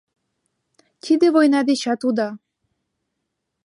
— Тиде война дечат уда!..